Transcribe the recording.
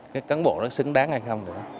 cái cán bộ nó xứng đáng hay không đó